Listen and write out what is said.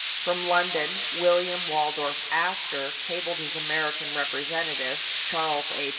From London William Waldorf Astor cabled his American representative, Charles A.